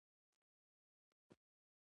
باید له فرد څخه په سخت حالت کې ملاتړ وشي.